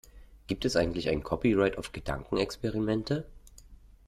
Gibt es eigentlich ein Copyright auf Gedankenexperimente?